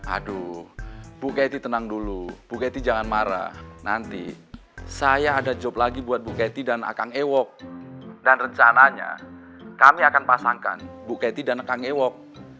aduh bu keti tenang dulu bu keti jangan marah nanti saya ada job lagi buat bu keti dan kang ewok dan rencananya kami akan pasangkan bu ketty dan kang ewok